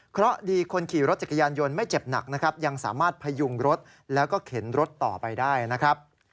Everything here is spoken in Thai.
เพราะดีคนขี่รถจักรยานยนต์ไม่เจ็บหนักนะครับยังสามารถพยุงรถแล้วก็เข็นรถต่อไปได้นะครับ